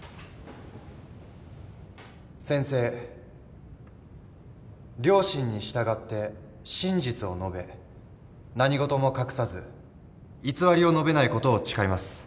「宣誓良心に従って真実を述べ何事も隠さず偽りを述べないことを誓います」